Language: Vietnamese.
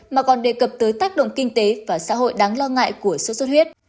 mà còn đề cập tới tác động kinh tế và xã hội đáng lo ngại của sốt xuất huyết